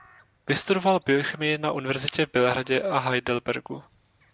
Vystudoval biochemii na Univerzitě v Bělehradě a Heidelbergu.